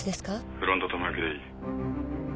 フロント留め置きでいい。